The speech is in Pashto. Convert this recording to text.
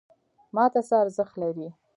ماته څه ارزښت لري؟